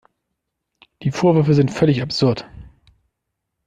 Die Vorwürfe sind völlig absurd.